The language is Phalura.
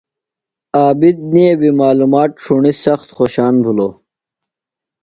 عابد نیویۡ معلومات ݜُݨی سخت خوشان بِھلوۡ۔